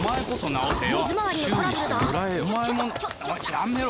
やめろ！